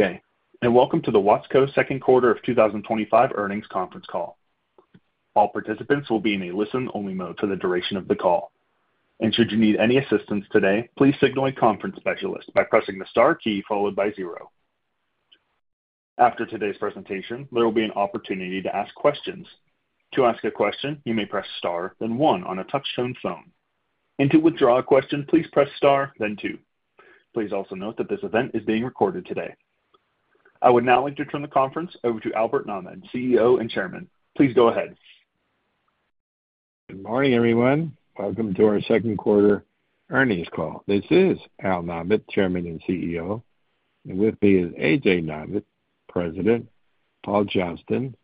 Good day and welcome to the Watsco second quarter of 2025 earnings conference call. All participants will be in a listen only mode for the duration of the call and should you need any assistance today, please signal a conference specialist by pressing the Star key followed by zero. After today's presentation there will be an opportunity to ask questions. To ask a question you may press Star then one on a touchtone phone and to withdraw a question please press Star then two. Please also note that this event is being recorded today. I would now like to turn the conference over to Albert Nahmad, CEO and Chairman. Please go ahead. Good morning everyone. Welcome to our second quarter earnings call. This is Albert Nahmad, Chairman and CEO, and with me is A.J. Nahmad, President, Paul Johnston,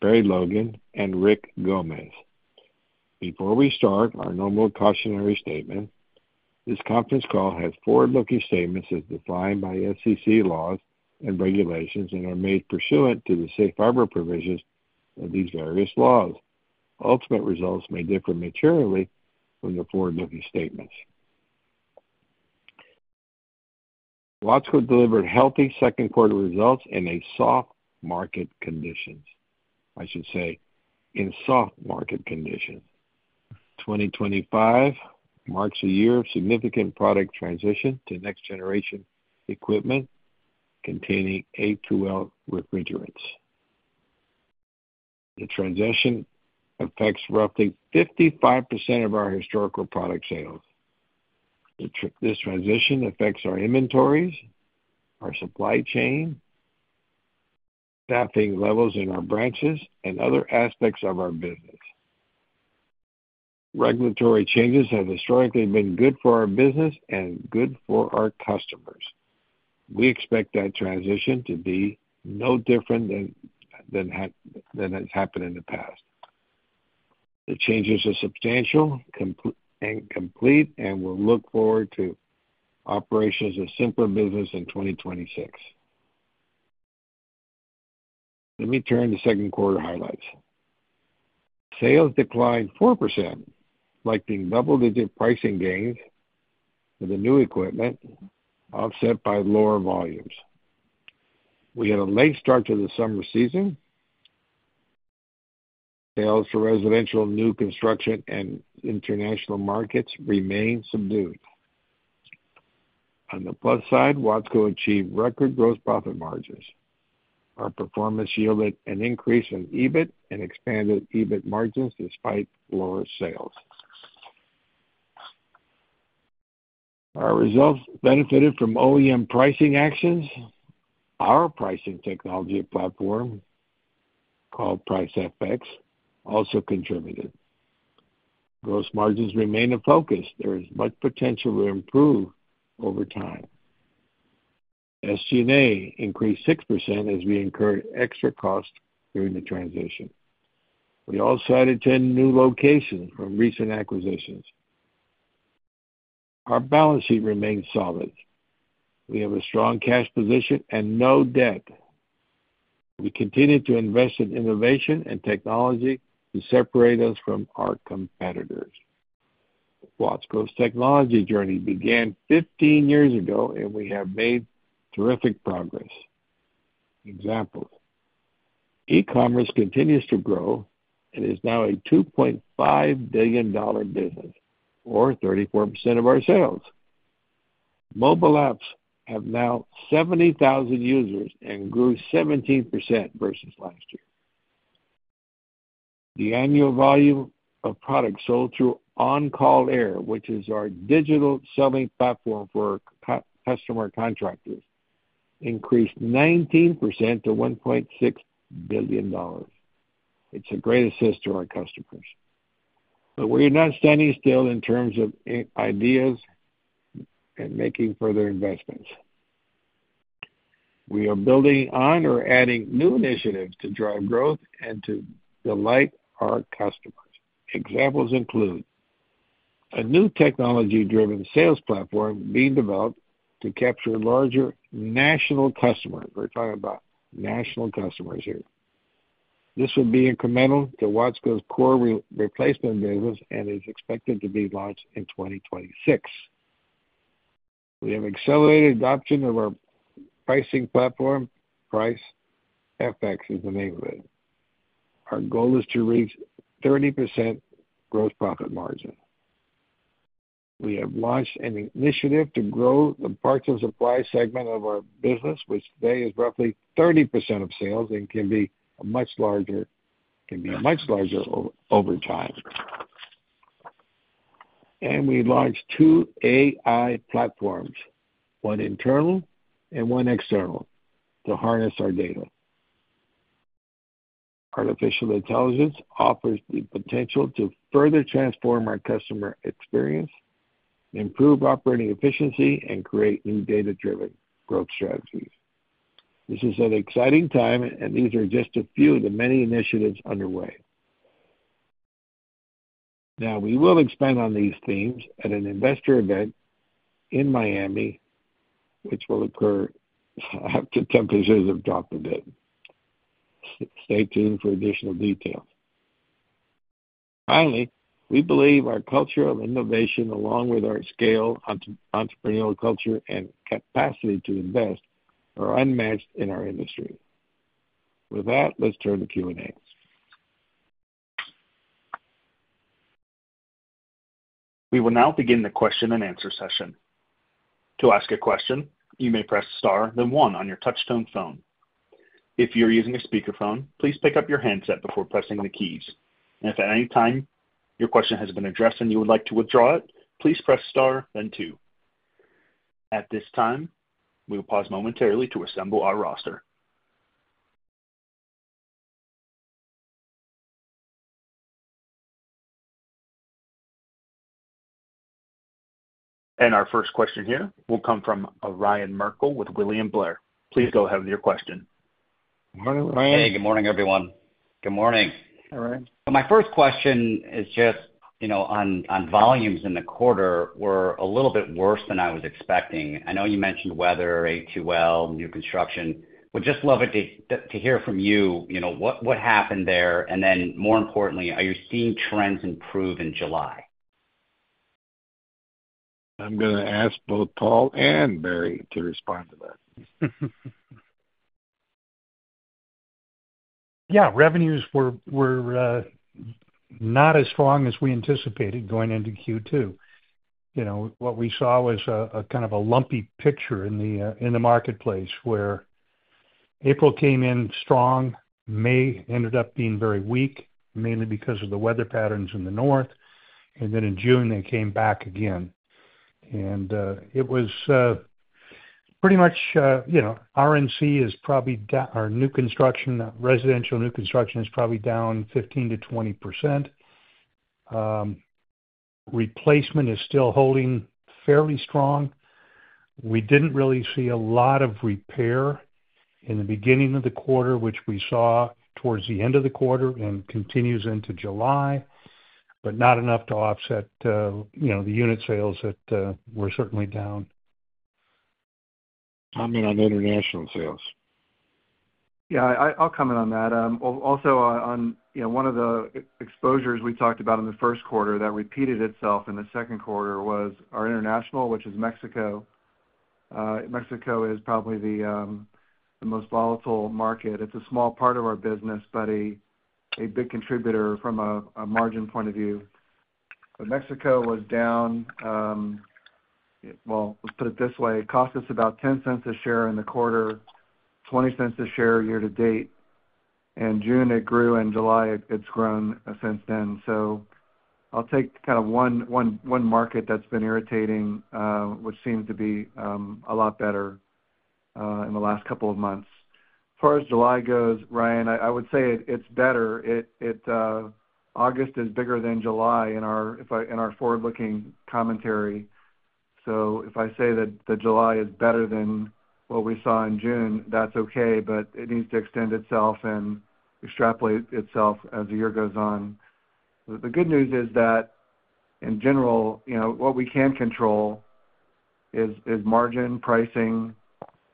Barry S. Logan, and Rick Gomez. Before we start our normal cautionary statement, this conference call has forward-looking statements as defined by FCC laws and regulations and are made pursuant to the safe harbor provisions of these various laws. Ultimate results may differ materially from the forward-looking statements. Watsco delivered healthy second quarter results in soft market conditions. I should say in soft market conditions. 2025 marks a year of significant product transition to next generation equipment containing A2L refrigerants. The transition affects roughly 55% of our historical product sales. This transition affects our inventories, our supply chain, staffing levels in our branches, and other aspects of our business. Regulatory changes have historically been good for our business and good for our customers. We expect that transition to be no different than has happened in the past. The changes are substantial and complete, and we will look forward to operations of simpler business in 2026. Let me turn to second quarter highlights. Sales declined 4% like the double-digit pricing gains for the new equipment offset by lower volumes. We had a late start to the summer season. Sales for residential, new construction, and international markets remained subdued. On the plus side, Watsco achieved record gross profit margins. Our performance yielded an increase in EBIT and expanded EBIT margins despite lower sales. Our results benefited from OEM pricing actions. Our pricing technology platform called Price FX also contributed. Gross margins remain a focus. There is much potential to improve over time. SG&A increased 6% as we incurred extra cost during the transition. We also added 10 new locations from recent acquisitions. Our balance sheet remains solid. We have a strong cash position and no debt. We continue to invest in innovation and technology to separate us from our competitors. Watsco's technology journey began 15 years ago and we have made terrific progress. Examples: e-commerce continues to grow and is now a $2.5 billion business or 34% of our sales. Mobile apps have now 70,000 users and grew 17% versus last year. The annual volume of products sold through OnCall Air, which is our digital selling platform for customer contractors, increased 19% to $1.6 billion. It's a great assist to our customers, but we are not standing still in terms of ideas and making further investments. We are building on or adding new initiatives to drive growth and to delight our customers. Examples include a new technology-driven sales platform being developed to capture larger national customers. We're talking about national customers here. This will be incremental to Watsco's core replacement business and is expected to be launched in 2026. We have accelerated adoption of our pricing platform. Price FX is the name of it. Our goal is to reach 30% gross profit margin. We have launched an initiative to grow the parts and supply segment of our business, which today is roughly 30% of sales and can be much larger, can be much larger over time. We launched two AI platforms, one internal and one external, to harness our data. Artificial intelligence offers the potential to further transform our customer experience, improve operating efficiency, and create new data-driven growth strategies. This is an exciting time and these are just a few of the many initiatives underway. Now. We will expand on these themes at an investor event in Miami which will occur after temperatures have dropped a bit. Stay tuned for additional details. Finally, we believe our culture of innovation, along with our scale, entrepreneurial culture and capacity to invest are unmatched in our industry. With that, let's turn to Q and A. We will now begin the question and answer session. To ask a question, you may press star then one on your touchtone phone. If you're using a speakerphone, please pick up your handset before pressing the keys. If at any time your question has been addressed and you would like to withdraw it, please press star then two. At this time we will pause momentarily to assemble our roster and our first question here will come from Ryan Merkel with William Blair. Please go ahead with your question. Hey, good morning everyone. Good morning. My first question is just, you know, on volumes in the quarter were a little bit worse than I was expecting. I know you mentioned weather, A2L, new construction. Would just love to hear from you what happened there. And then more importantly, are you seeing trends improve in July? I'm going to ask both Paul and Barry to respond to that. Yeah, revenues were not as strong as we anticipated going into Q2. You know, what we saw was a kind of a lumpy picture in the marketplace where April came in strong, May ended up being very weak mainly because of the weather patterns in the north. In June they came back again and it was pretty much, you know, RNC is probably our new construction. Residential new construction is probably down 15%-20%. Replacement is still holding fairly strong. We did not really see a lot of repair in the beginning of the quarter, which we saw towards the end of the quarter and continues into July, but not enough to offset, you know, the unit sales that were certainly down. Comment on international sales. Yeah, I'll comment on that. Also on, you know, one of the exposures we talked about in the first quarter that repeated itself in the second quarter was our international, which is Mexico. Mexico is probably the most volatile market. It's a small part of our business, but a big contributor from a margin point of view. Mexico was down, well, let's put it this way. Cost us about $0.10 a share in the quarter, $0.20 a share year to date. In June, it grew. In July, it's grown since then. I’ll take kind of one market that's been irritating, which seems to be a lot better in the last couple of months. As far as July goes, Ryan, I would say it's better. August is bigger than July in our forward looking commentary. If I say that July is better than what we saw in June, that's okay, but it needs to extend itself and extrapolate itself as the year goes on. The good news is that in general what we can control is margin pricing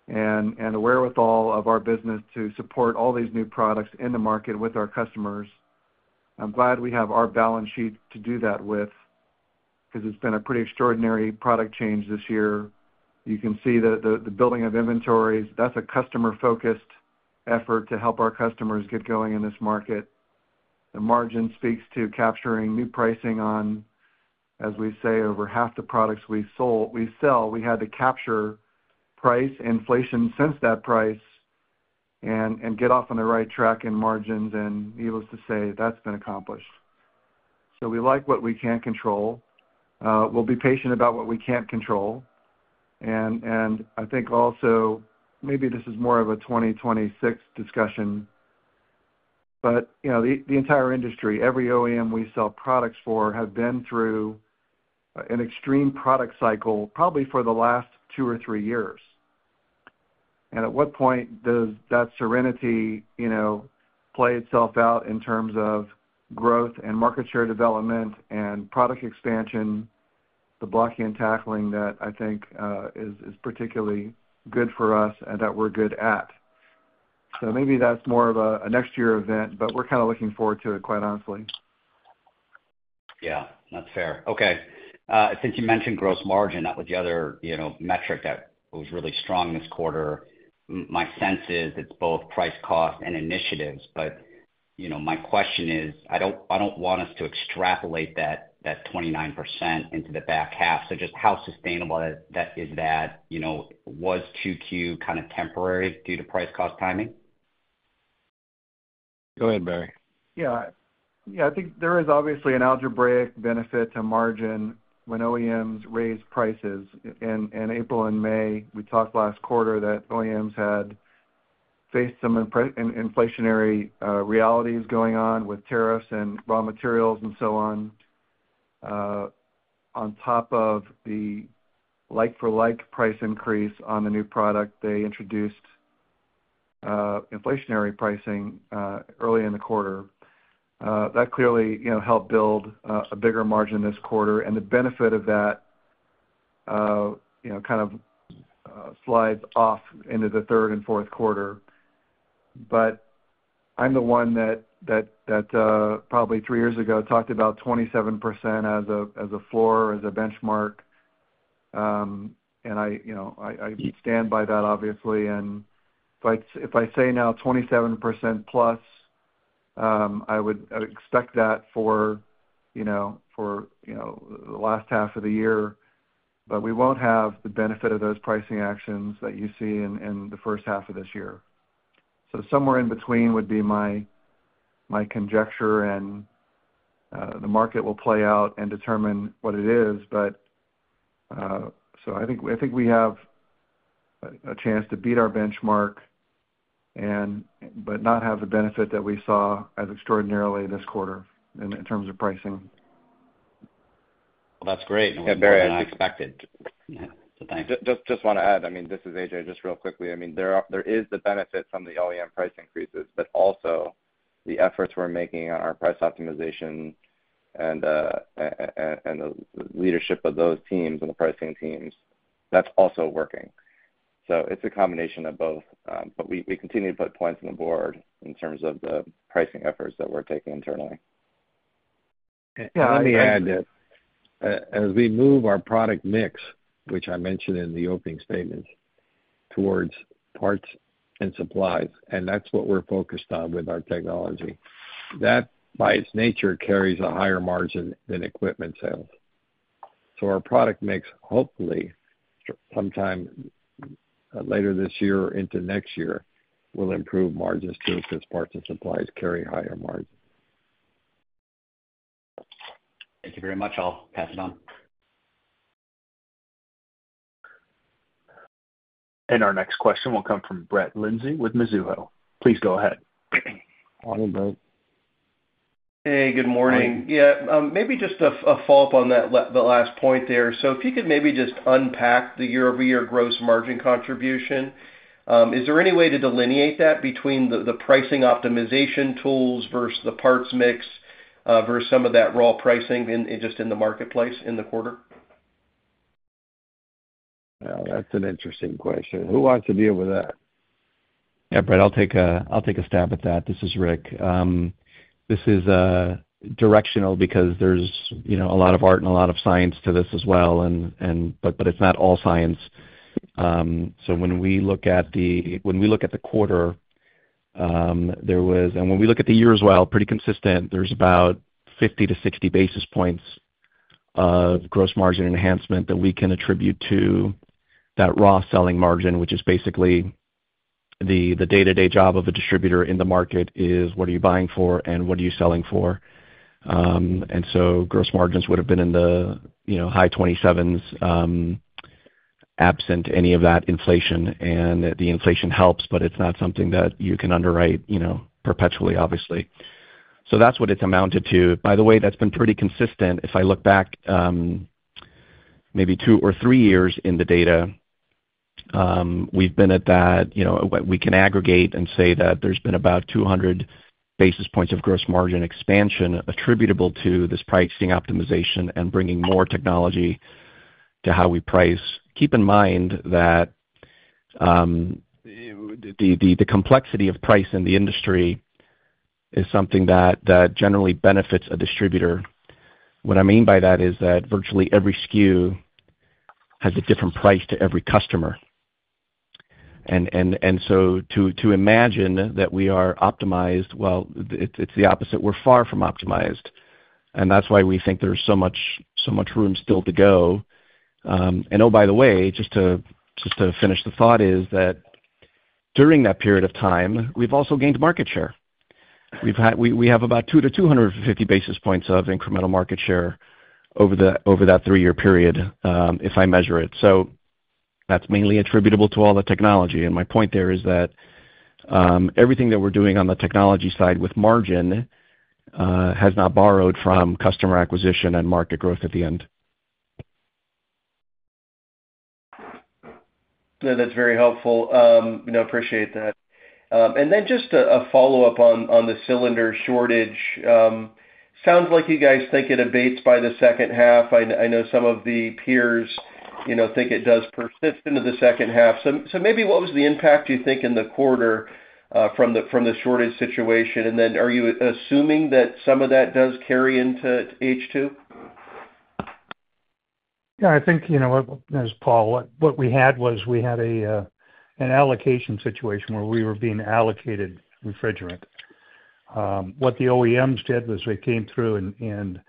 and the wherewithal of our business to support all these new products in the market with our customers. I'm glad we have our balance sheet to do that with because it's been a pretty extraordinary product change this year. You can see the building of inventories. That's a customer focused effort to help our customers get going in this market. The margin speaks to capturing new pricing on, as we say, over half the products we sell. We had to capture price inflation since that price and get off on the right track in margins. Needless to say, that's been accomplished. We like what we can control. We'll be patient about what we can't control. I think also maybe this is more of a 2026 discussion, but the entire industry, every OEM we sell products for, have been through an extreme product cycle probably for the last two or three years. At what point does that serenity play itself out in terms of growth and market share development and product expansion, the blocking and tackling that I think is particularly good for us and that we're good at. Maybe that's more of a next year event, but we're kind of looking forward to it, quite honestly. Yeah, that's fair. Okay. Since you mentioned gross margin, that was the other metric that was really strong this quarter. My sense is it's both price cost and initiatives. My question is I don't want us to extrapolate that 29% into the back half. Just how sustainable is that? Was 2Q kind of temporary due to price cost timing? Go ahead, Barry. Yeah, I think there is obviously an algebraic benefit to margin when OEMs raise prices in April and May. We talked last quarter that OEMs had faced some inflationary realities going on with tariffs and raw materials and so on. On top of the like-for-like price increase on the new product. They introduced inflationary pricing early in the quarter. That clearly helped build a bigger margin this quarter. The benefit of that kind of slides off into the third and fourth quarter. I'm the one that probably three years ago talked about 27% as a floor, as a benchmark, and I stand by that, obviously. If I say now 27% plus, I would expect that for the last half of the year. We won't have the benefit of those pricing actions that you see in the first half of this year. Somewhere in between would be my conjecture and the market will play out and determine what it is. I think we have a chance to beat our benchmark but not have the benefit that we saw as extraordinarily this quarter in terms of pricing. That is great. Just want to add, I mean, this is A.J. Just real quickly, I mean, there is the benefit from the OEM price increases, but also the efforts we are making on our price optimization and the leadership of those teams and the pricing teams, that is also working. It is a combination of both. We continue to put points on the board in terms of the pricing efforts that we are taking internally. Let me add, as we move our product mix, which I mentioned in the opening statements, towards parts and supplies. That is what we're focused on with our technology that by its nature carries a higher margin than equipment sales. Our product mix, hopefully sometime later this year or into next year, will improve margins too, because parts and supplies carry higher margins. Thank you very much. I'll pass it on. Our next question will come from Brett Lindsey with Mizuho. Please go ahead. Morning, Brett. Hey, good morning. Yeah, maybe just a follow up on. That last point there. If you could maybe just unpack. The year-over-year gross margin contribution. Is there any way to delineate that? Between the pricing optimization tools versus the parts mix versus some of that raw pricing just in the marketplace in the quarter? That is an interesting question. Who wants to deal with that? Yeah, Brett, I'll take a stab at that. This is. Rick, this is directional because there's a lot of art and a lot of science to this as well, but it's not all science. When we look at the quarter, there was, and when we look at the year as well, pretty consistent, there's about 50-60 basis points of gross margin enhancement that we can attribute to that raw selling margin, which is basically the day-to-day job of a distributor in the market: what are you buying for and what are you selling for? Gross margins would have been in the high 27s absent any of that inflation. The inflation helps, but it's not something that you can underwrite perpetually, obviously. That's what it's amounted to. By the way, that's been pretty consistent. If I look back maybe two or three years in the data we've been at that we can aggregate and say that there's been about 200 basis points of gross margin expansion attributable to this pricing optimization and bringing more technology to how we price. Keep in mind that the complexity of price in the industry is something that generally benefits a distributor. What I mean by that is that virtually every SKU has a different price to every customer. To imagine that we are optimized, well, it's the opposite. We're far from optimized. That is why we think there is so much room still to go. Oh, by the way, just to finish the thought, during that period of time we have also gained market share. We have about 200-250 basis points of incremental market share over that three-year period, if I measure it. That is mainly attributable to all the technology. My point there is that everything that we are doing on the technology side with margin has not borrowed from customer acquisition and market growth at the end. That's very helpful, I appreciate that. Just a follow up on the cylinder shortage. Sounds like you guys think it abates by the second half. I know some of the peers think. It does persist into the second half. Maybe what was the impact you think in the quarter from the shortage situation? Are you assuming that some of that does carry into H2? Yeah. I think, you know, as Paul, what we had was we had an allocation situation where we were being allocated refrigerant. What the OEMs did was they came through and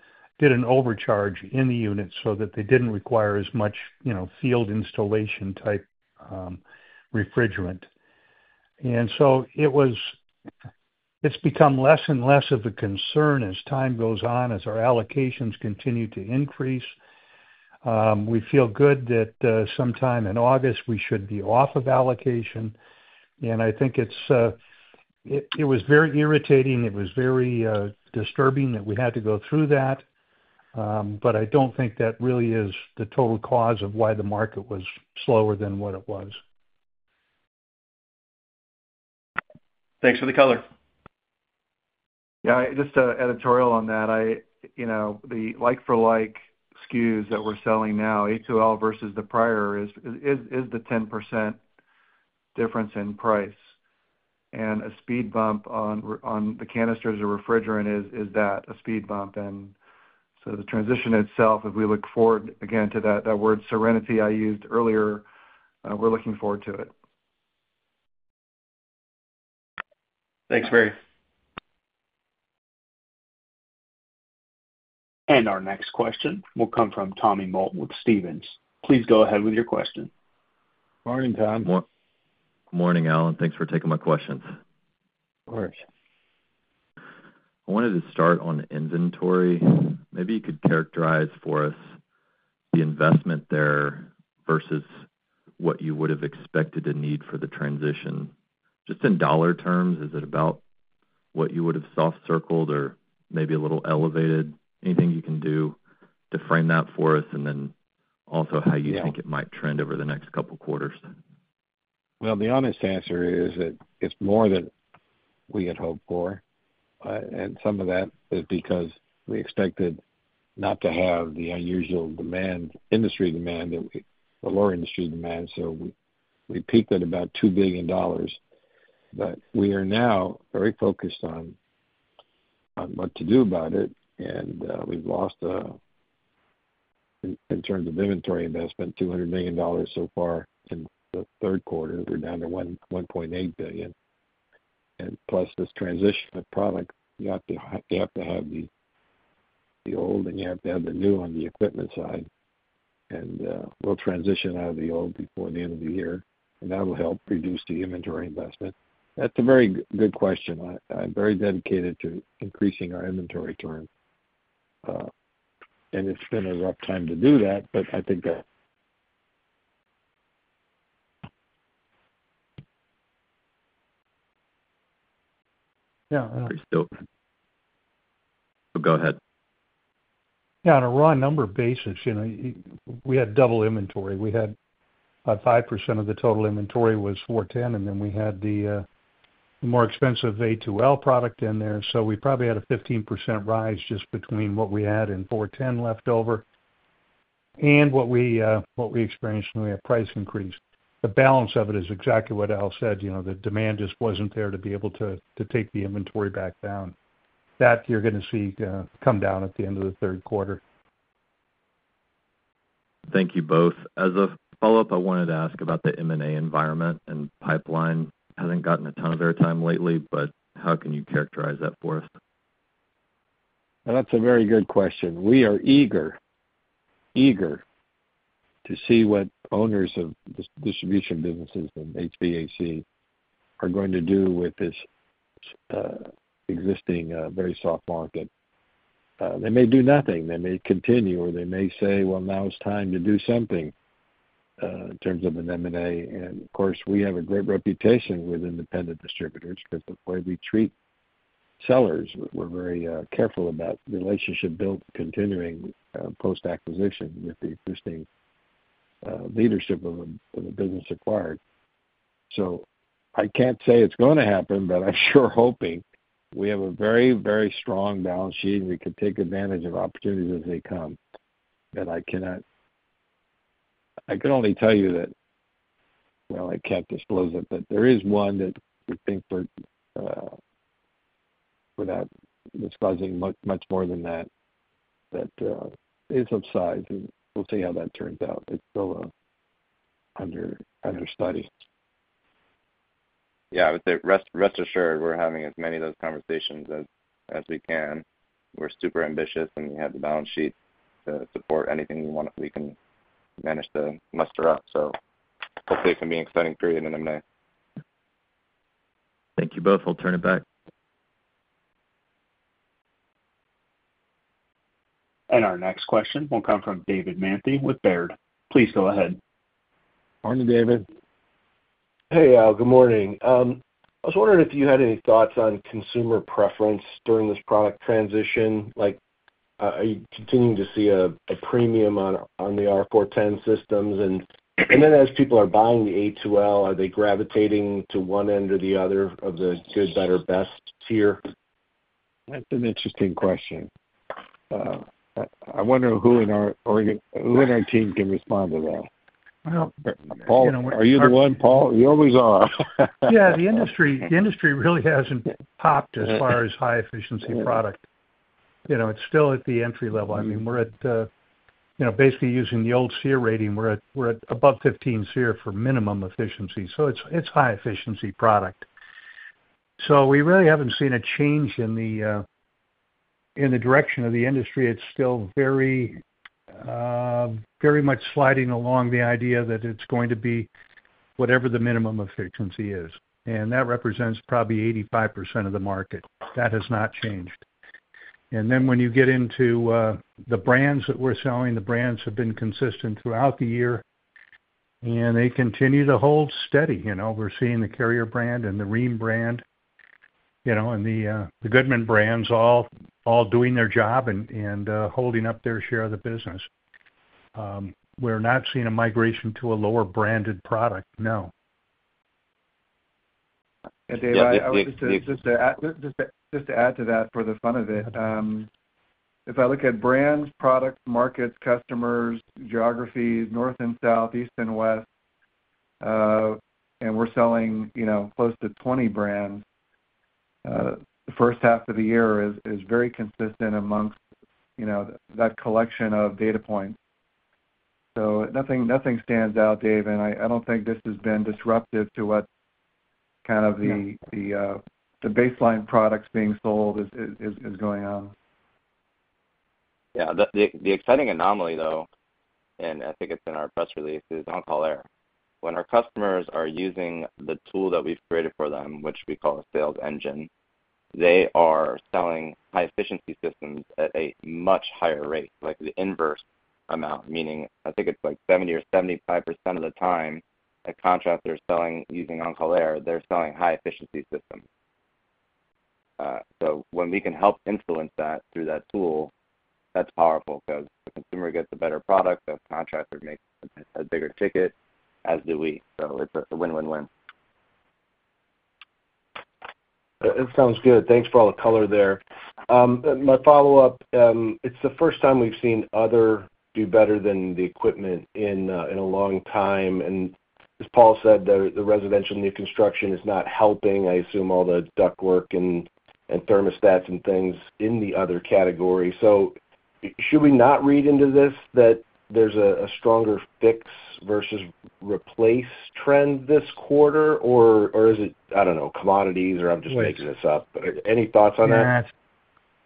did an overcharge in the unit so that they did not require as much, you know, field installation type refrigerant. It has become less and less of a concern as time goes on, as our allocations continue to increase. We feel good that sometime in August we should be off of allocation. I think it was very irritating. It was very disturbing that we had to go through that. I do not think that really is the total cause of why the market was slower than what it was. Thanks for the color. Yeah, just an editorial on that. The like-for-like SKUs that we're selling now, A2L versus the prior, is the 10% difference in price. And a speed bump on the canisters or refrigerant. Is that a speed bump? The transition itself, if we look forward again to that word serenity I used earlier, we're looking forward to it. Thanks, barry. Our next question will come from Tommy Molt with Stephens. Please go ahead with your question. Morning, Tom. Good morning, Albert. Thanks for taking my questions. I wanted to start on inventory. Maybe you could characterize for us the. Investment there versus what you would have expected to need for the transition. Just in dollar terms, is it about what you would have soft circled or maybe a little elevated? Anything you can do to frame that for us? Also, how you think it might trend over the next couple quarters? The honest answer is that it's more than we had hoped for. Some of that is because we expected not to have the unusual demand, industry demand, the lower industry demand. We peaked at about $2 billion. We are now very focused on what to do about it. We've lost, in terms of inventory investment, $200 million so far in the third quarter. We're down to $1.8 billion. Plus this transition of product, you have to have the old and you have to have the new on the equipment side, and we'll transition out of the old before the end of the year. That will help reduce the inventory investment. That's a very good question. I'm very dedicated to increasing our inventory turn, and it's been a rough time to do that, but I think. Yeah. Go ahead. Yeah. On a raw number basis, you know, we had double inventory. We had 5% of the total inventory was 410. And then we had the more expensive A2L product in there. So we probably had a 15% rise just between what we had in 410 left over and what we experienced. When we have price increase, the balance of it is exactly what Al said. You know, the demand just wasn't there. To be able to take the inventory back down that you're going to see come down at the end of the third quarter. Thank you both. As a follow-up, I wanted to ask about the M&A environment and pipeline. Hasn't gotten a ton of. Airtime lately, but how can you characterize that for us? That's a very good question. We are eager, eager to see what owners of distribution businesses in HVAC are going to do with this existing very soft market. They may do nothing, they may continue or they may say, now it's time to do something in terms of an M&A. Of course, we have a great reputation with independent distributors because of the way we treat sellers. We're very careful about relationship built continuing post acquisition with the existing leadership of a business acquired. I can't say it's going to happen, but I'm sure hoping. We have a very, very strong balance sheet and we can take advantage of opportunities as they come. I cannot, I can only tell you that, I can't disclose it, but there is one that we think is causing much more than that, that is of size and we'll see how that turns out. It's still understudy. Yeah. Rest assured, we're having as many of those conversations as we can. We're super ambitious and we have the balance sheet to support anything we want. If we can manage to muster up. Hopefully it can be an exciting period in May. Thank you both. I'll turn it back. Our next question will come from David Manthey with Baird. Please go ahead. Morning, David. Hey, Al. Good morning. I was wondering if you had any. Thoughts on consumer preference during this product transition. Like, are you continuing to see a? Premium on the R410A systems? As people are buying the. A2L, are they gravitating to one end or the other of the good, better, best tier? That's an interesting question. I wonder who in our team can respond to that. Paul, are you the one, Paul? You always are. Yeah, the industry really hasn't topped as far as high efficiency product. You know, it's still at the entry level. I mean, we're at, you know, basically using the old SEER rating, we're at above 15 SEER for minimum efficiency. So it's high efficiency product. We really haven't seen a change in the direction of the industry. It's still very, very much sliding along the idea that it's going to be whatever the minimum efficiency is, and that represents probably 85% of the market. That has not changed. When you get into the brands that we're selling, the brands have been consistent throughout the year and they continue to hold steady. You know, we're seeing the Carrier brand and the Rheem brand, you know, and the Goodman brands all doing their job and holding up their share of the business. We're not seeing a migration to a lower branded product. No. Dave. Just to add to that, for the fun of it, if I look at brands, products, markets, customers, geographies, north and south, east and west, and we're selling close to 20 brands, the first half of the year is very consistent amongst that collection of data points. Nothing stands out, Dave. I don't think this has been disruptive to what kind of the baseline products being sold is going on. Yeah, the exciting anomaly though, and I think it's in our press release, is OnCall Air. When our customers are using the tool that we've created for them, which we call a sales engine, they are selling high efficiency systems at a much higher rate, like the inverse amount meaning I think it's like 70% or 75% of the time a contractor selling using OnCall Air, they're selling high efficiency systems. When we can help influence that. Through that tool, that's powerful because the. Consumer gets a better product, the contractor. Makes a bigger ticket, as do we. It's a win, win, win. It sounds good. Thanks for all the color there. My follow up, it's the first time. We've seen others do better than that. Equipment in a long time. As Paul said, the residential new construction is not helping. I assume all the duct work and thermostats and things in the other category. Should we not read into this that there's a stronger fix versus replace trend this quarter? Or is it, I don't know, commodities or? I'm just making this up. Any thoughts on that?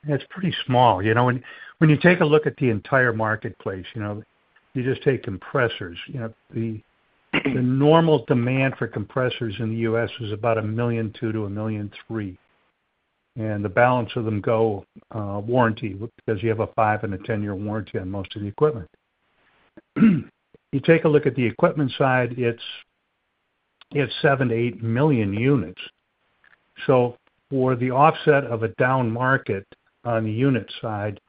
It's pretty small. You know, when you take a look at the entire marketplace, you know, you just take compressors. You know the normal demand for compressors in the U.S. is about 1.2 million to 1.3 million and the balance of them go warranty because you have a 5 and a 10 year warranty on most of the equipment. You take a look at the equipment side, it's 7-8 million units. So for the offset of a down market on the unit side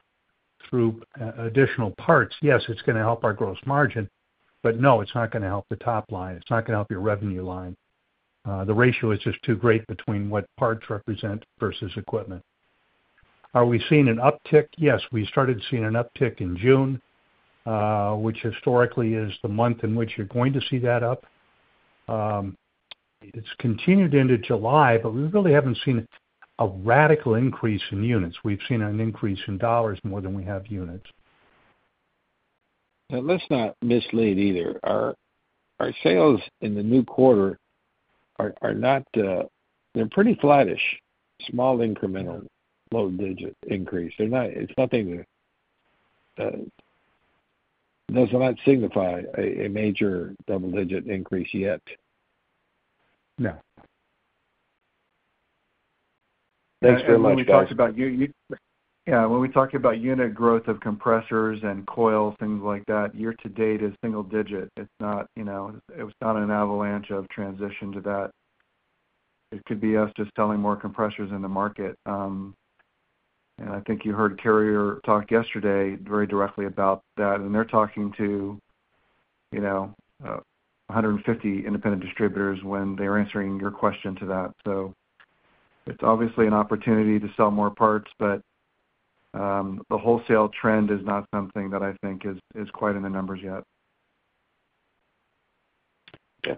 through additional parts, yes, it's going to help our gross margin but no, it's not going to help the top line. It's not going to help your revenue line. The ratio is just too great between what parts represent versus equipment. Are we seeing an uptick? Yes, we started seeing an uptick in June which historically is the month in which you're going to see that up. It's continued into July but we really haven't seen a radical increase in units. We've seen an increase in dollars more. Than we have units. Let's not mislead either. Our sales in the new quarter are not. They're pretty flattish. Small incremental, low digit increase. They're not. It's nothing that does not signify a major double-digit increase yet. No. Thanks very much. Yeah. When we talk about unit growth of compressors and coils, things like that year to date is single digit. It's not, you know, it was not an avalanche of transition to that. It could be us just selling more compressors in the market. I think you heard Carrier talk yesterday very directly about that. They're talking to 150 independent distributors when they're answering your question to that. It's obviously an opportunity to sell more parts. The wholesale trend is not something that I think is quite in the numbers yet.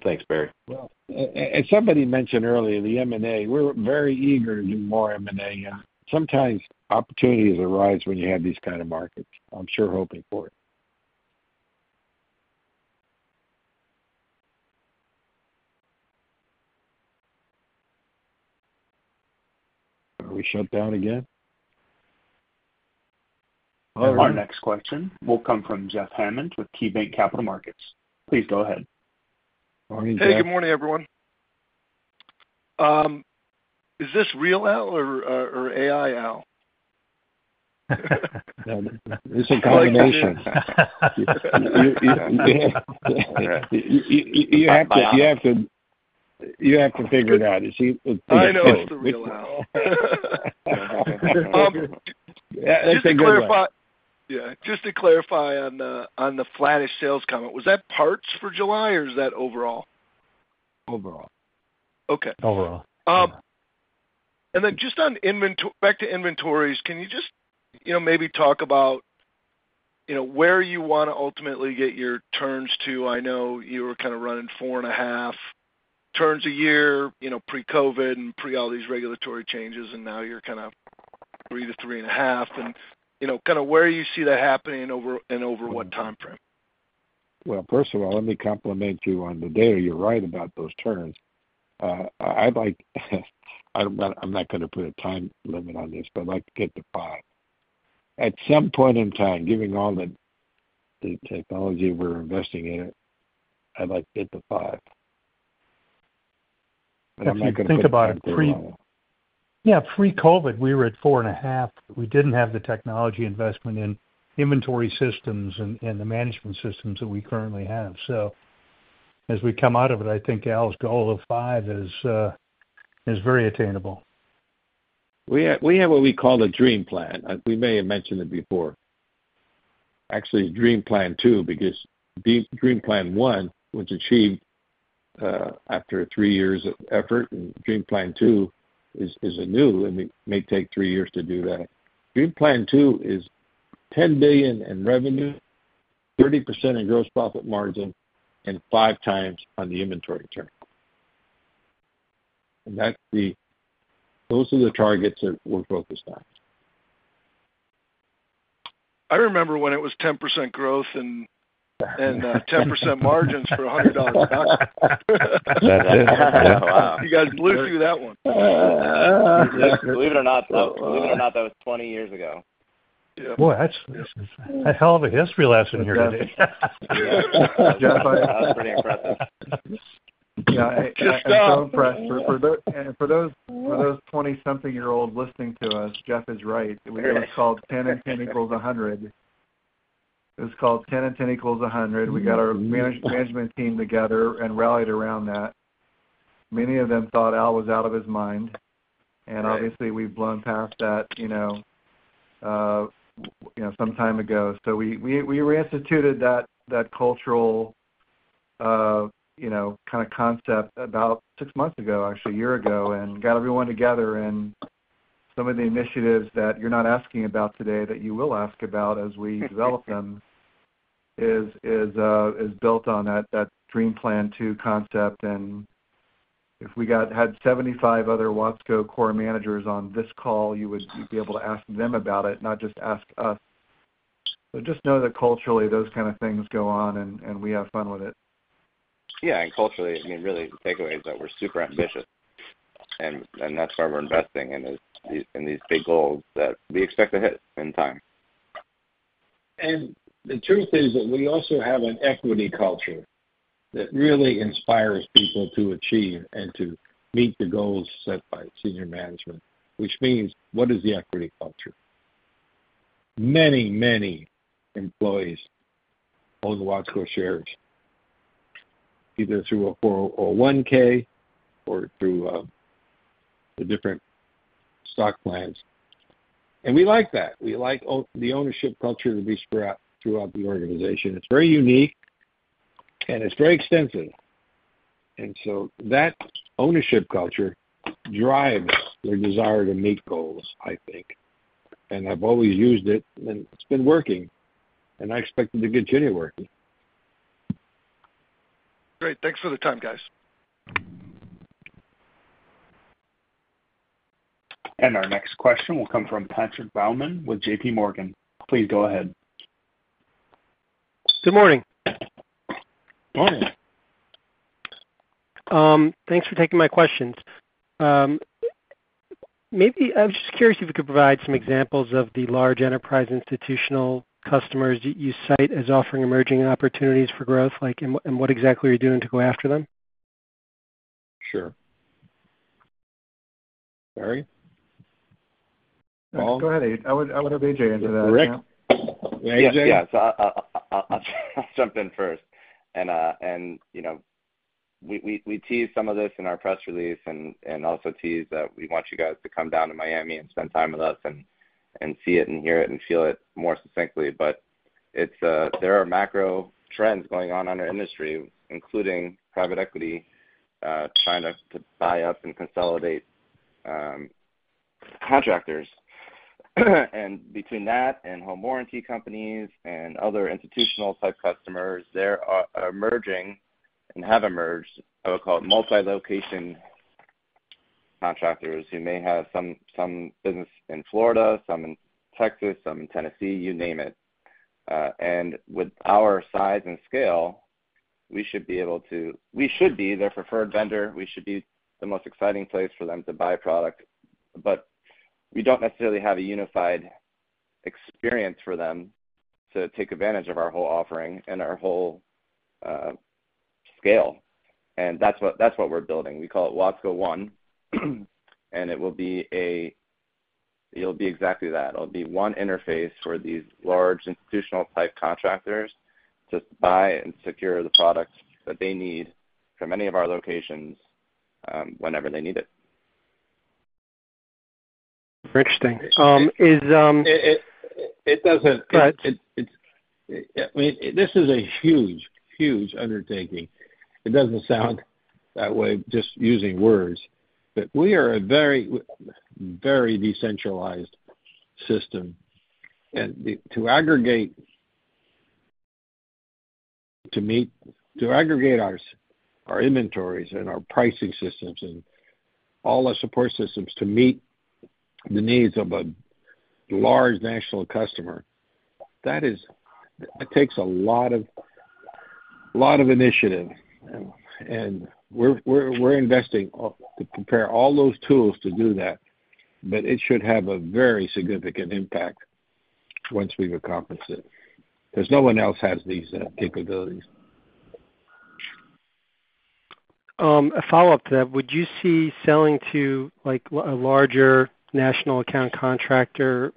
Thanks, Barry. As somebody mentioned earlier, the M&A, we're very eager to do more M&A. Sometimes opportunities arise when you have these kind of markets. I'm sure hoping for it. Are we shut down again? Our next question will come from Jeff Hammond with KeyBanc Capital Markets. Please go ahead. Hey, good morning everyone. Is this real AI or AI Al. It's a combination. You have to figure it out. You see, I know it's the real. Alright. Just to clarify on the flattish. Sales comment, was that parts for July? Or is that overall? Overall okay. Overall. Just on back to inventories, can you just maybe talk about where you want to ultimately get your turns to. I know you were kind of running. Four and a half turns a year pre Covid and pre all these regulatory changes and now you're kind of three. To three and a half and you. Know, kind of where you see that. Happening over and over. What time frame? First of all, let me compliment you on the data. You're right about those terms. I'm not going to put a time limit on this, but I'd like to get to five at some point in time. Given all the technology we're investing in it, I'd like to get to five. Think about it. Yeah. Pre Covid, we were at four and a half. We did not have the technology investment in inventory systems and the management systems that we currently have. As we come out of it, I think Al's goal of 5 is very attainable. We have what we call the Dream Plan. We may have mentioned it before actually, Dream Plan 2, because Dream Plan 1 was achieved after three years of effort and Dream Plan 2 is anew and may take three years to do that. Dream Plan 2 is $10 billion in revenue, 30% in gross profit margin, and five times on the inventory turn. Those are the targets that we're focused on. I remember when it was 10% growth. 10% margins for $100. You guys blew through that one, believe it or not. Believe it or not, that was 20 years ago. Boy, a hell of a history lesson. Here today for those, for those 20-something year olds listening to us. Jeff is right. It was called 10 and 10 equals 100. It was called 10 and 10 equals 100. We got our management team together and rallied around that. Many of them thought Al was out of his mind. Obviously, we have blown past that, you know, some time ago. We reinstituted that cultural kind of concept about six months ago, actually a year ago, and got everyone together. Some of the initiatives that you are not asking about today that you will ask about as we develop them. Is. Built on that Dream Plan 2 concept. If we had 75 other Watsco managers on this call, you would be able to ask them about it, not just ask us. Just know that culturally those kind of things go on and we have fun with it. Yeah, and culturally, really the takeaway is that we're super ambitious and that's why we're investing in these big goals that we expect to hit in time. The truth is that we also have an equity culture that really inspires people to achieve and to meet the goals set by senior management. Which means what is the equity culture? Many, many employees own Watsco shares either through a 401k or through the different stock plans. We like that. We like the ownership culture to be spread out throughout the organization. It is very unique and it is very extensive. That ownership culture drives their desire to meet goals, I think. I have always used it and it has been working and I expect it to continue working. Great. Thanks for the time, guys. Our next question will come from Patrick Bauman with J.P. Morgan. Please go ahead. Good morning. Morning. Thanks for taking my questions. Maybe I was just curious if you could provide some examples of the large enterprise institutional customers you cite as offering emerging opportunities for growth and what exactly are you doing to go after them? Sure, Barry. Go ahead. I would have A.J. Into that. Rick. A.J. Yes, I'll jump in first. You know, we teased some of this in our press release and also teased that we want you guys to come down to Miami and spend time with us and see it and hear it and feel it more succinctly. There are macro trends going on in our industry, including private equity trying to buy up and consolidate contractors. Between that and home warranty companies and other institutional type customers, there are emerging and have emerged, I would call it, multi location contractors who may have some business in Florida, some in Texas, some in Tennessee, you name it. With our size and scale, we should be able to, we should be their preferred vendor. We should be the most exciting place for them to buy product. We do not necessarily have a unified experience for them to take advantage of our whole offering and our whole scale. That is what we are building. We call it Watsco 1 and it will be exactly that. It will be one interface for these large institutional type contractors to buy and secure the products that they need from any of our locations whenever they need it. Interesting is it doesn't. This is a huge, huge undertaking. It does not sound that way, just using words, but we are a very, very decentralized system and to aggregate, to meet, to aggregate our inventories and our pricing systems and all our support systems to meet the needs of a large national customer, that is, it takes a lot of initiative and we are investing to prepare all those tools to do that. It should have a very significant impact once we have accomplished it because no one else has these capabilities. A follow up to that. Would you see selling to a larger national account contractor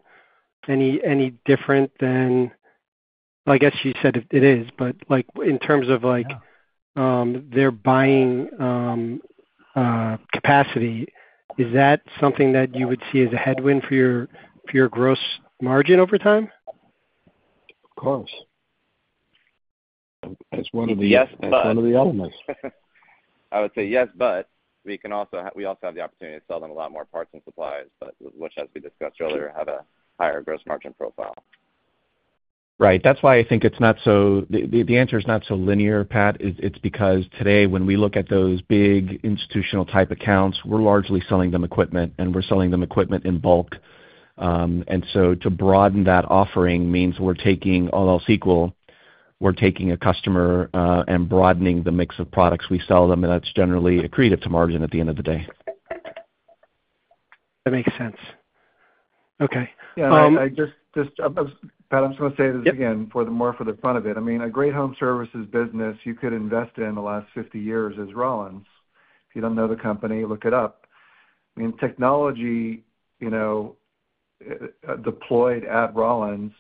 any different than I guess you said it is? In terms of their buying capacity, is that something that you would see as a headwind for your gross margin over time? Of course. I would say yes. We also have the opportunity to sell them a lot more parts and supplies, which, as we discussed earlier, have a higher gross margin profile. Right. That's why I think it's not. The answer is not so linear, Pat. It's because today, when we look at those big institutional type accounts, we're largely selling them equipment and we're selling them equipment in bulk. To broaden that offering means we're taking all else equal, we're taking a customer, and broadening the mix of products we sell them. That's generally accretive to margin at the end of the day. That makes sense. Okay. Pat, I'm just going to say this again more for the fun of it. I mean, a great home services business you could invest in the last 50 years is Rollins. If you don't know the company, look it up. Technology deployed at Rollins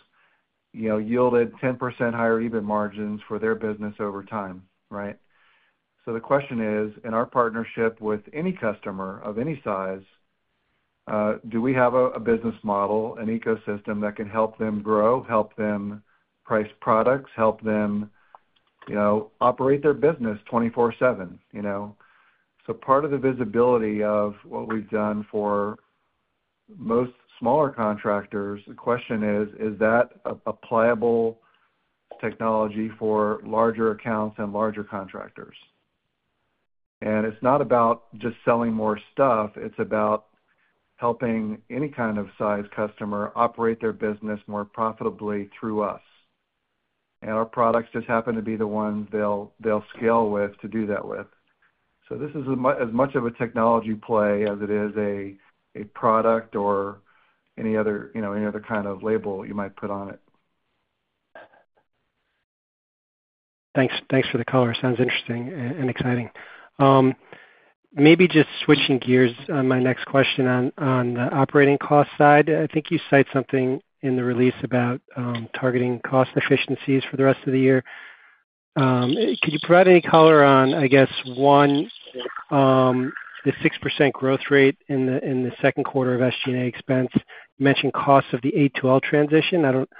yielded 10% higher EBIT margins for their business over time. The question is, in our partnership with any customer of any size, do we have a business model, an ecosystem that can help them grow, help them price products, help them operate their business? 24/7. Part of the visibility of what we've done for most smaller contractors, the question is, is that a pliable technology for larger accounts and larger contractors? It's not about just selling more stuff, it's about helping any kind of size customer operate their business more profitably through us. Our products just happen to be the ones they'll scale with, to do that with. This is as much of a technology play as it is a product or any other kind of label you might put on it. Thanks for the color. Sounds interesting and exciting. Maybe just switching gears on my next question. On the operating cost side, I think you cite something in the release about targeting cost efficiencies for the rest of the year. Could you provide any color on, I guess one, the 6% growth rate in the second quarter of SG&A expense. You mentioned costs of the A2L transition. I don't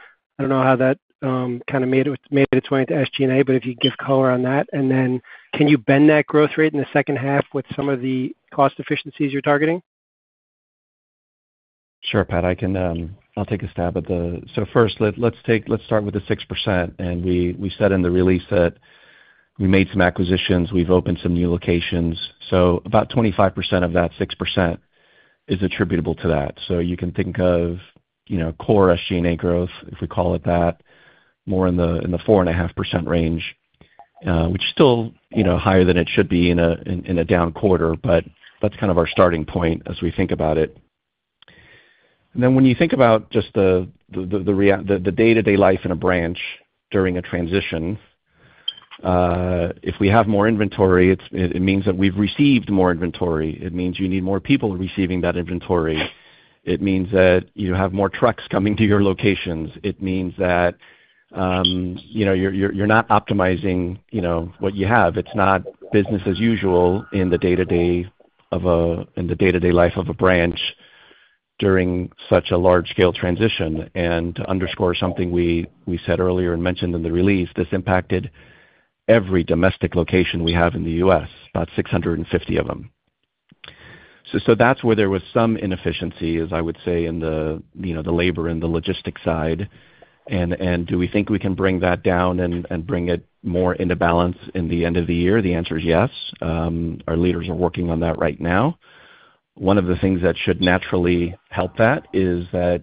know how that kind of made its way into SG&A, but if you give color on that and then can you bend that growth rate in the second half with some of the cost efficiencies you're targeting? Sure, Pat, I can. I'll take a stab at the. First, let's take. Let's start with the 6%. We said in the release that we made some acquisitions, we have opened some new locations. About 25% of that 6% is attributable to that. You can think of, you know, core SG&A growth, if we call it that, more in the 4.5% range, which is still, you know, higher than it should be in a down quarter, but that is kind of our starting point as we think about it. When you think about just the day-to-day life in a branch during a transition, if we have more inventory, it means that we have received more inventory. It means you need more people receiving that inventory. It means that you have more trucks coming to your locations. It means that you are not optimizing what you have. It is not business as usual in the day-to-day, in the day-to-day life of a branch during such a large-scale transition. To underscore something we said earlier and mentioned in the release, this impacted every domestic location we have in the U.S., about 650 of them. That is where there was some inefficiency, as I would say, in the labor and the logistics side. Do we think we can bring that down and bring it more into balance at the end of the year? The answer is yes. Our leaders are working on that right now. One of the things that should naturally help that is that.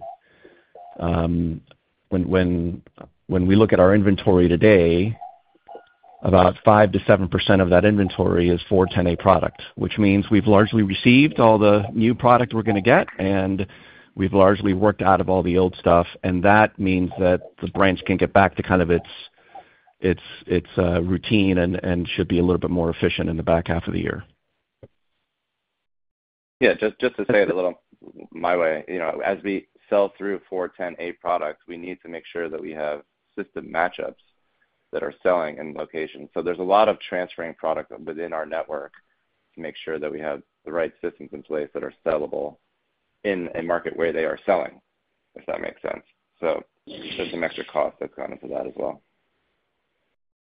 When we look. At our inventory today, about 5%-7% of that inventory is for 10A product, which means we've largely received all the new product we're going to get and we've largely worked out of all the old stuff. That means that the branch can get back to kind of its routine and should be a little bit more efficient in the back half of the year. Yeah. Just to say it a little my way, as we sell through 410A product, we need to make sure that we have system matchups that are selling in locations. There is a lot of transferring product within our network to make sure that we have the right systems in place that are sellable in a market where they are selling, if that makes sense. There is some extra cost that has gone. Into that as well.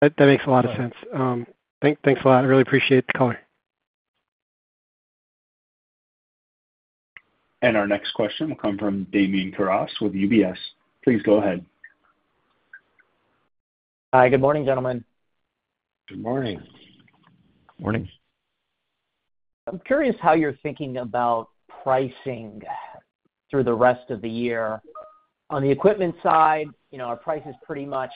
That makes a lot of sense. Thanks a lot. I really appreciate the color. Our next question will come from Damien Carras with UBS. Please go ahead. Hi. Good morning, gentlemen. Good morning. Morning. I'm curious how you're thinking about pricing through the rest of the year. On the equipment side, our price is pretty much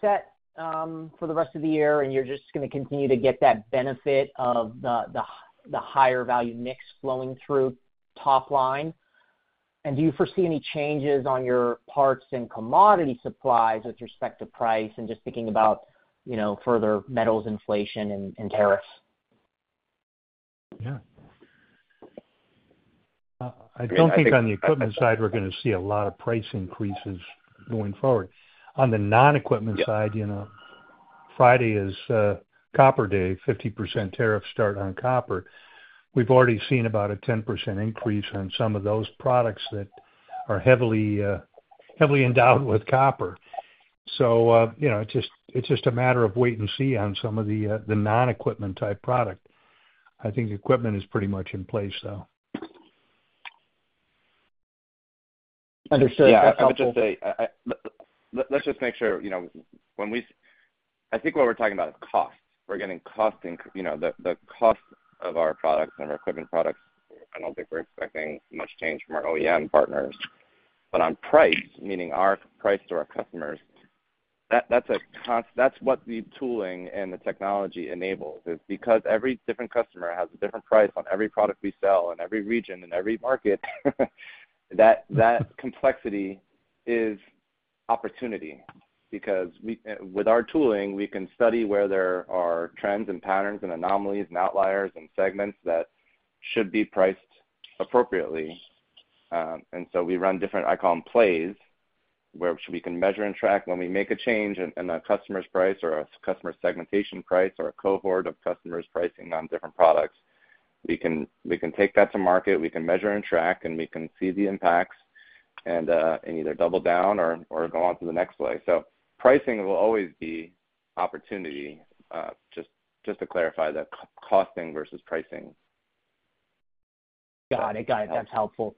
set for the rest of the year. You're just going to continue to get that benefit of the higher value mix flowing through top line. Do you foresee any changes on your parts and commodity supplies with respect to price and just thinking about further metals inflation and tariffs? Yeah. I don't think on the equipment side we're going to see a lot of price increases going forward. On the non equipment side, you know, Friday is copper day, 50% tariff start on copper. We've already seen about a 10% increase on some of those products that are heavily endowed with copper. So, you know, it's just a matter of wait and see on some of the non equipment type product. I think equipment is pretty much in place though. Understood. Yeah. I would just say let's just make sure. I think what we're talking about is cost. We're getting cost, the cost of our products and our equipment products. I don't think we're expecting much change from our OEM partners. On price, meaning our price to. Our customers. That's what the tooling and the technology enables is because every different customer has a different price on every product we sell in every region, in every market. That complexity is opportunity because with our tooling we can study where there are trends and patterns and anomalies and outliers and segments that should be priced appropriately. We run different, I call them plays where we can measure and track. When we make a change in a customer's price or a customer segmentation price or a cohort of customers pricing on different products, we can take that to market, we can measure and track and we can see the impacts and either double down or go on to the next slide. Pricing will always be opportunity. Just to clarify the costing versus pricing. Got it. That's helpful.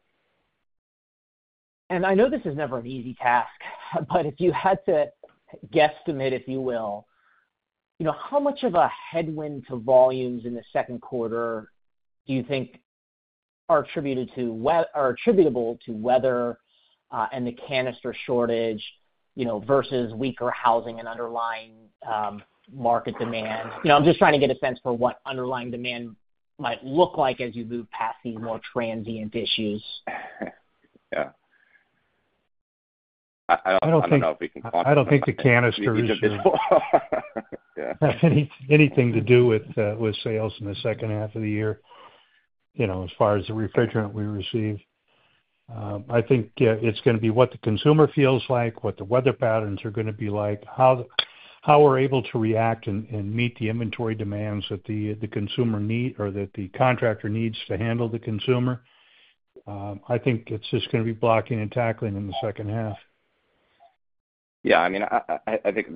I know this is never an easy task, but if you had to guesstimate, if you will, how much of a headwind to volumes in the second quarter do you think are attributable to weather and the canister shortage versus weaker housing and underlying market demand? I'm just trying to get a sense for what underlying demand might look like as you move past these more transient issues. I don't think the canisters have anything to do with sales in the second half of the year. You know, as far as the refrigerant we receive, I think it's going to be what the consumer feels like, what the weather patterns are going to be like, how we're able to react and meet the inventory demands that the consumer need or that the contractor needs to handle the consumer. I think it's just going to be blocking and tackling in the second half. Yeah, I mean, I think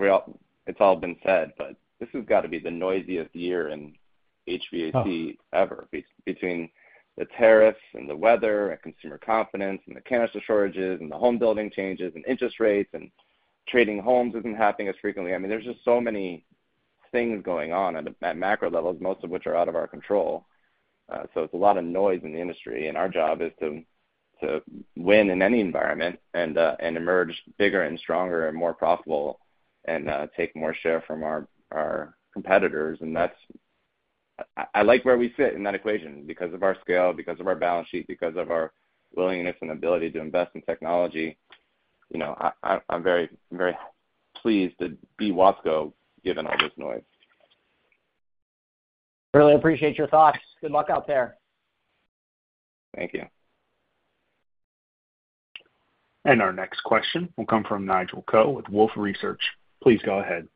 it's all been said, but this has got to be the noisiest year in HVAC ever. Between the tariffs and the weather and consumer confidence and the canister shortages and the home building changes and interest rates and trading homes isn't happening as frequently. I mean there's just so many things going on at macro levels, most of which are out of our control. It's a lot of noise in the industry and our job is to win in any environment and emerge bigger and stronger and more profitable and take more share from our competitors. That's, I like where we sit in that equation because of our scale, because of our balance sheet, because of our willingness and ability to invest in technology. I'm very pleased that Watsco, given all this noise. Really appreciate your thoughts. Good luck out there. Thank you. Our next question will come from Nigel Koh with Wolfe Research. Please go ahead.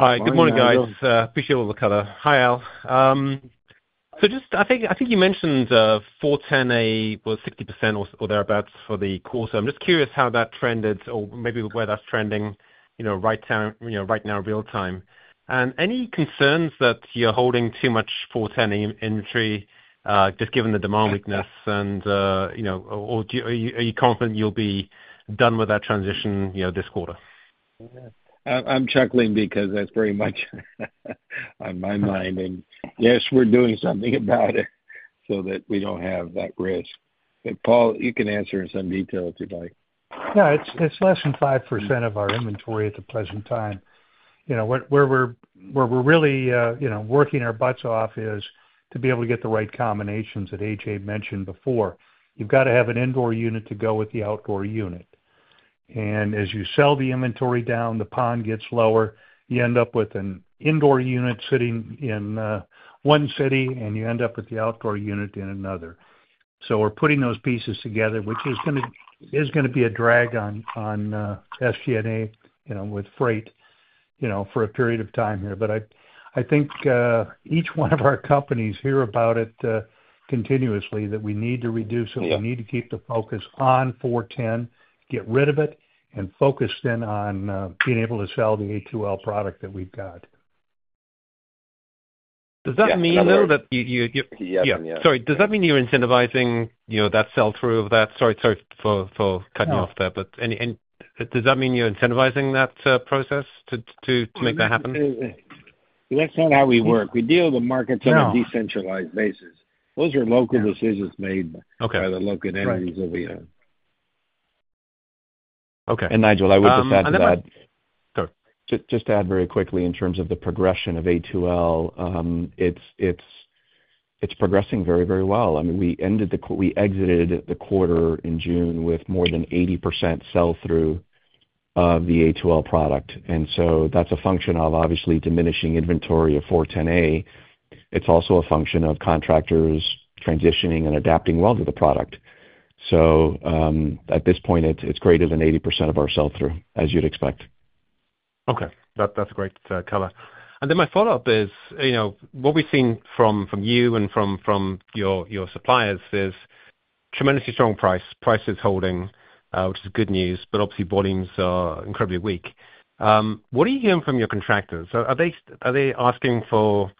Hi, good morning guys. Appreciate all the color. Hi, Al. I think you mentioned 410A was 60% or thereabouts for the quarter. I'm just curious how that trended or maybe where that's trending right now, real time. Any concerns that you're holding too much 410 inventory just given the demand weakness or are you confident you'll be done with that transition this quarter? I'm chuckling because that's very much on my mind and yes, we're doing something about it so that we don't have that risk. Paul, you can answer in some detail if you'd like to. Yeah, it's less than 5% of our inventory at the present time. You know, where we're really, you know, working our butts off is to be able to get the right combinations that A.J. mentioned before. You've got to have an indoor unit to go with the outdoor unit. As you sell the inventory down, the pond gets lower. You end up with an indoor unit sitting in one city and you end up with the outdoor unit in another. We are putting those pieces together, which is going to be a drag on SG&A with freight, you know, for a period of time here. I think each one of our companies hear about it continuously that we need to reduce it. We need to keep the focus on 410, get rid of it and focus then on being able to sell the A2L product that we've got. Does that mean, though, that—sorry, does that mean you're incentivizing, you know, that sell-through of that? Sorry, sorry for cutting off that. Does that mean you're incentivizing that process to make that happen? That's not how we work. We deal the markets on a decentralized basis. Those are local decisions made by the local entities that we own. Okay. Nigel, I would just add that. Just to add very quickly in terms of the progression of A2L. It'S. Progressing very, very well. I mean, we exited the quarter in June with more than 80% sell through of the A2L product. And so that's a function of obviously diminishing inventory of R410A. It's also a function of contractors transitioning and adapting well to the product. At this point it's greater than 80% of our sell through, as you'd expect. Okay, that's a great color. My follow up is what we've seen from you and from your suppliers is tremendously strong price. Price is holding, which is good news. Obviously volumes are incredibly weak. What are you hearing from your contractors? Are they asking for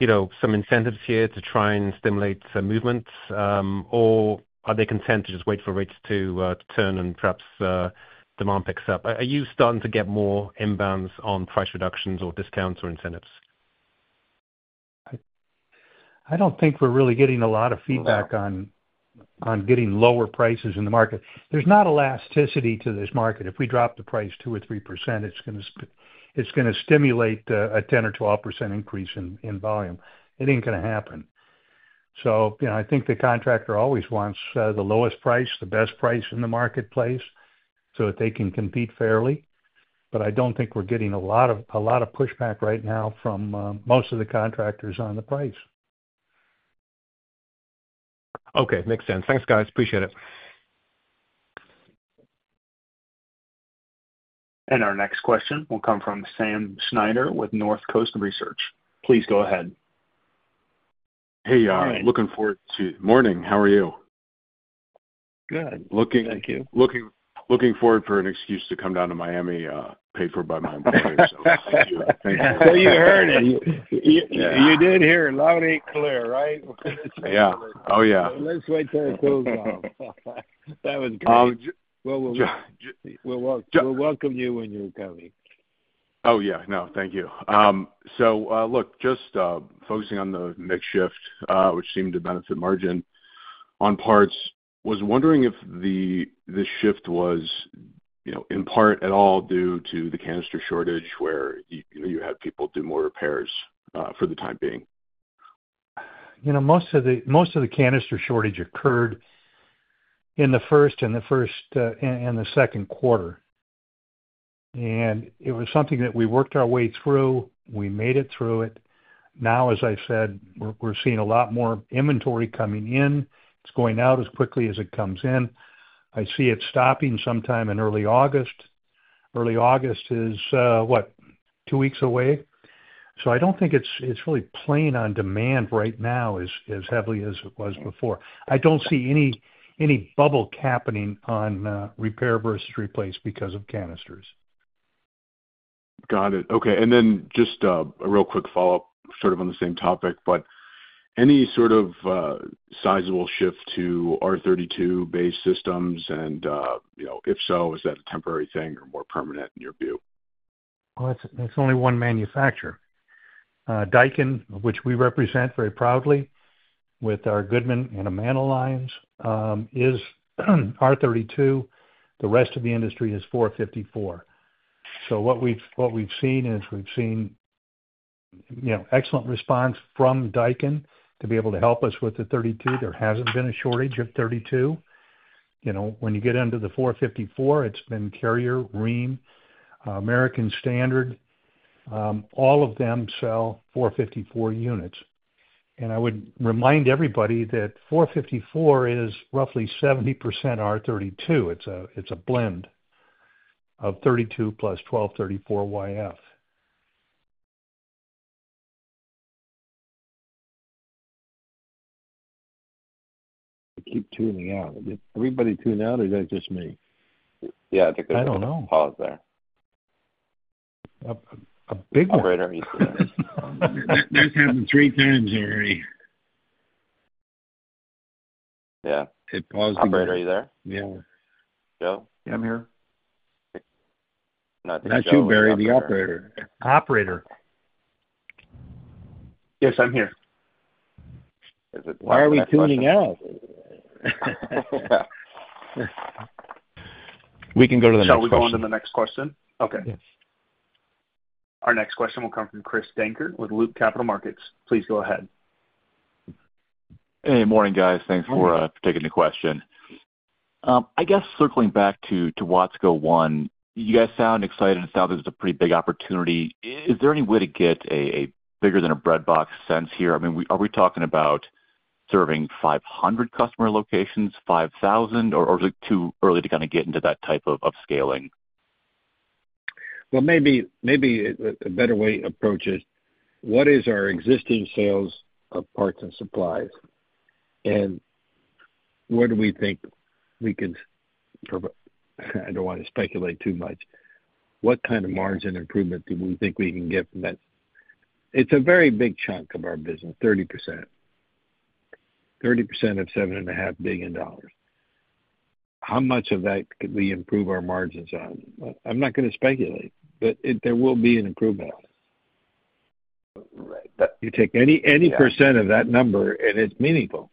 some incentives here to try and stimulate movements, or are they content to just wait for rates to turn and perhaps demand picks up? Are you starting to get more inbounds on price reduct or discounts or incentives? I do not think we are really getting a lot of feedback on getting lower prices in the market. There is not elasticity to this market. If we drop the price 2% or 3%, it is going to stimulate a 10% or 12% increase in volume. It is not going to happen. I think the contractor always wants the lowest price, the best price in the marketplace so that they can compete fairly. I do not think we are getting a lot of pushback right now from most of the contractors on the price. Okay, makes sense. Thanks, guys. Appreciate it. Our next question will come from Sam Schneider with North Coast Research. Please go ahead. Hey, looking forward to morning. How are you? Good looking. Thank you. Looking forward for an excuse to come down to Miami paid for by my employer. You did hear loud and clear, right? Yeah. Oh, yeah. Let's wait till it goes off. That was good. We'll welcome you when you're coming. Oh, yeah, no, thank you. Look, just focusing on the mix shift which seemed to benefit margin on parts. Was wondering if the shift was in part at all due to the canister shortage where you had people do more repairs. For the time being. Most of the canister shortage occurred in the first and the second quarter. It was something that we worked our way through. We made it through it. Now, as I said, we're seeing a lot more inventory coming in. It's going out as quickly as it comes in. I see it stopping sometime in early August. Early August is what, two weeks away? I don't think it's really playing on demand right now as heavily as it was before. I don't see any bubble happening on repair versus replace because of canisters. Got it. Okay. Just a real quick follow up sort of on the same topic, but any sort of sizable shift to R32 based systems and you know, if so is that a temporary thing or more permanent in your view? It's only one manufacturer, Daikin, which we represent very proudly with our Goodman and Amana lines, is R32. The rest of the industry is 454. What we've seen is, you know, excellent response from Daikin to be able to help us with the 32. There hasn't been a shortage of 32. You know, when you get into the 454, it's been Carrier, Rheem, American Standard, all of them sell 454 units. I would remind everybody that 454 is roughly 70% R32. It's a blend of 32 plus 1234. YF. I keep tuning out. Did everybody tune out or is that just me? Yeah, I think there's a pause there. A big one. That's happened three times already. Yeah, are you there? Yeah. Joe? Yeah, I'm here. That's you, Barry, the operator. Operator. Yes, I'm here. Why are we tuning out? We can go to the next question. Shall we go on to the next question? Okay, our next question will come from Chris Denker with Loop Capital Markets. Please go ahead. Hey, morning guys. Thanks for taking the question. I guess circling back to Watsco 1, you guys sound excited and sound there's a pretty big opportunity. Is there any way to get a bigger than a breadbox sense here? I mean are we talking about serving 500 customer locations? 5,000. Is it too early to kind of get into that type of scaling? Maybe a better way to approach it is what is our existing sales of parts and supplies and what do we think we can. I don't want to speculate too much. What kind of margin improvement do we think we can get from that? It's a very big chunk of our business. 30%. 30% of $7.5 billion. How much of that could we improve our margins on? I'm not going to speculate, but there will be an improvement. You take any percent of that number and it's meaningful.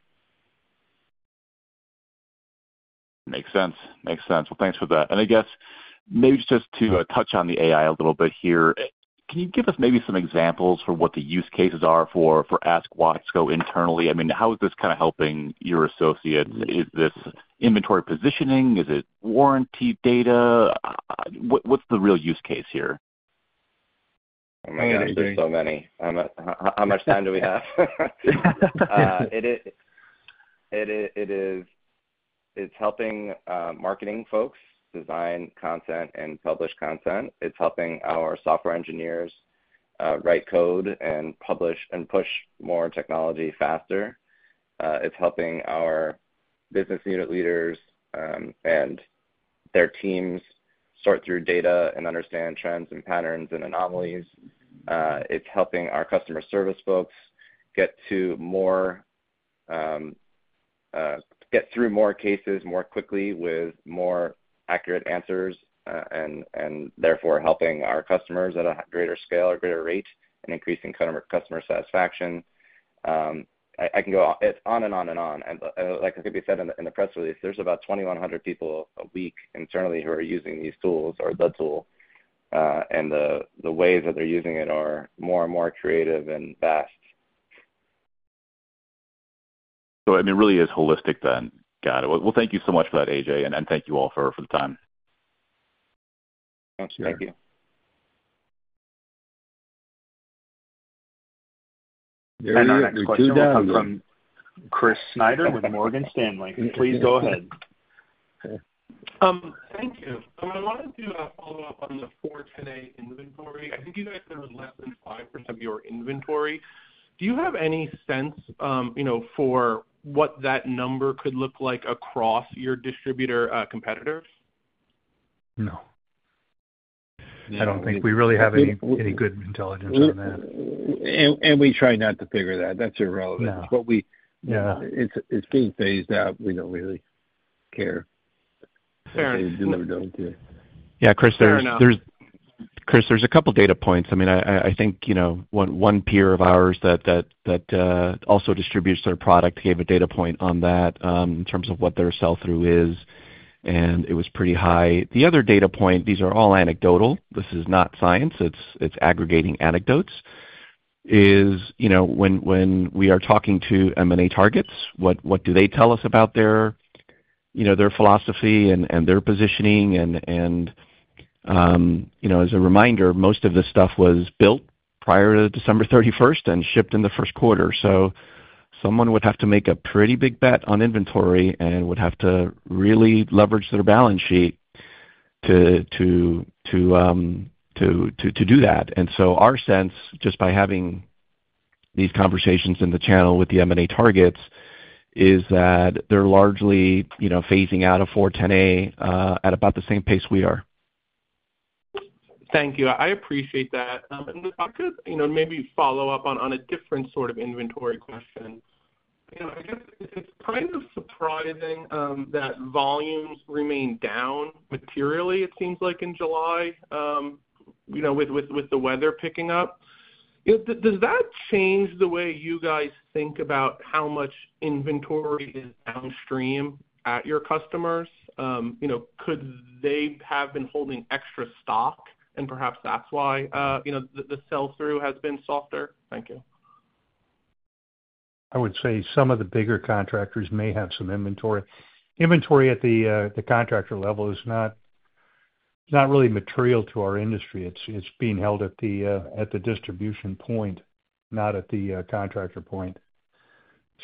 Makes sense. Makes sense. Thanks for that. I guess maybe just to touch on the AI a little bit here. Can you give us maybe some examples for what the use cases are for Ask Watsco internally? I mean, how is this kind of helping your associates? Is this inventory positioning? Is it warranty data? What's the real use case here? Oh, my gosh, there's so many. How much time do we have? It's helping marketing folks design content and publish content. It's helping our software engineers write code and publish and push more technology faster. It's helping our business unit leaders and their teams sort through data and understand trends and patterns and anomalies. It's helping our customer service folks. Get. Through more cases more quickly with more accurate answers and therefore helping our customers at a greater scale or greater rate and increasing customer satisfaction. I can go on and on and on. Like could be said in the press release, there's about 2,100 people a week internally who are using these tools or the tool. And the ways that they're using it are more and more creative and vast. I mean, it really is holistic then. Thank you so much for that. A.J. and thank you all for the time. Thank you. Our next question comes from Chris Snyder with Morgan Stanley. Please go ahead. Thank you. I wanted to follow up on the 410A inventory. I think you guys covered less than. 5% of your inventory. Do you have any sense for what? That number could look like across your distributor competitors? No, I don't think we really have any good intelligence on that. We try not to figure that that's irrelevant. It's being phased out. We don't really care. Fair enough. Yeah. Chris, there's a couple data points. I mean, I think, you know, one peer of ours that also distributes their product gave a data point on that in terms of what their sell through is, and it was pretty high. The other data point, these are all anecdotal. This is not science. It's aggregating anecdotes. Is when we are talking to M&A targets, what do they tell us about their philosophy and their positioning? As a reminder, most of this stuff was built prior to December 31 and shipped in the first quarter. Someone would have to make a pretty big bet on inventory and would have to really leverage their balance sheet to do that. Our sense just by having these conversations in the channel with the M&A targets is that they're largely phasing out of 410A at about the same pace we are. Thank you. I appreciate that. Maybe follow up on a different sort of inventory question. I guess it's kind of surprising that volumes remain down materially. It seems like in July. With the weather picking up. Does that change the way you guys think about how much inventory is downstream at your customers? Could they have been holding extra stock and perhaps that's why the sell through has been softer? Thank you. I would say some of the bigger contractors may have some inventory. Inventory at the contractor level is not, not really material to our industry. It's, it's being held at the, at the distribution point, not at the contractor point.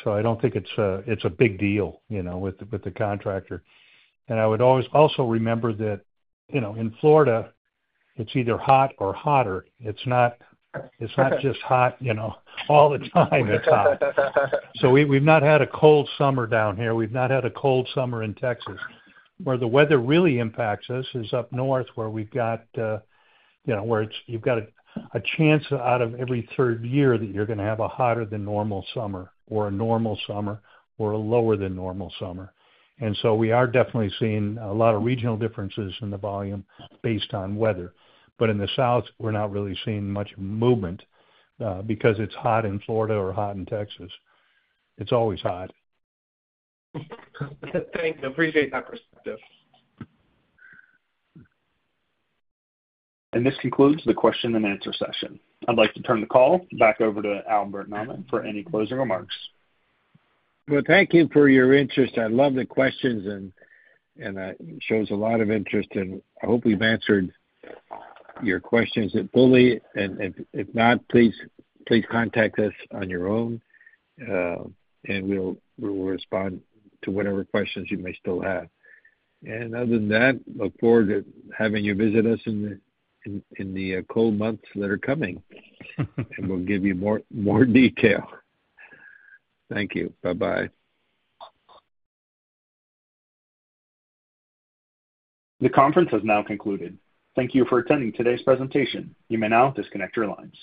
I don't think it's, it's a big deal, you know, with, with the contractor. I would always also remember that, you know, in Florida, it's either hot or hotter. It's not just hot, you know, all the time. We've not had a cold summer down here. We've not had a cold summer in Texas. Where the weather really impacts us is up north where we've got, you know, where it's, you've got a chance out of every third year that you're going to have a hotter than normal summer or a normal summer or a lower than normal summer. We are definitely seeing a lot of regional differences in the volume based on weather. In the south, we're not really seeing much movement because it's hot in Florida or hot in Texas, it's always hot. Thank you. Appreciate that perspective. This concludes the question and answer session. I'd like to turn the call back over to Albert Nahmad for any closing remarks. Thank you for your interest. I love the questions, and that shows a lot of interest. I hope we've answered your questions fully. If not, please contact us on your own and we will respond to whatever questions you may still have. Other than that, look forward to having you visit us in the cold months that are coming and we'll give you more detail. Thank you. Bye. Bye. The conference has now concluded. Thank you for attending today's presentation. You may now disconnect your lines.